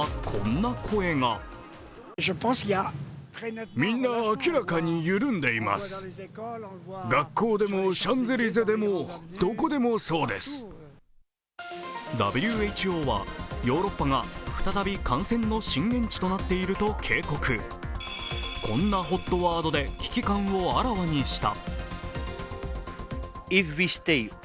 こんなＨＯＴワードで危機感をあらわにした。